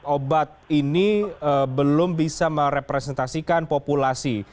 obat ini belum bisa merepresentasikan populasi